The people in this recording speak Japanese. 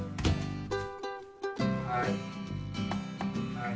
はい。